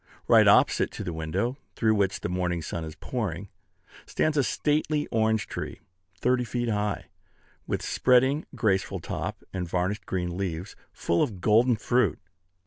Right opposite to the window, through which the morning sun is pouring, stands a stately orange tree, thirty feet high, with spreading, graceful top, and varnished green leaves, full of golden fruit.